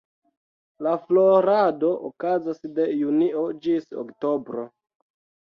La florado okazas de junio ĝis oktobro.